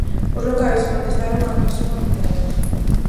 Os locais protestaron a actuación arbitral.